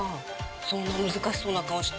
そんな難しそうな顔して。